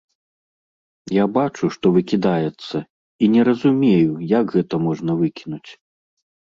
Я бачу, што выкідаецца, і не разумею, як гэта можна выкінуць.